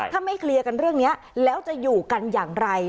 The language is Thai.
ถ้าไม่เคลียร์กันเรื่องนี้แล้วจะอยู่กันอย่างไร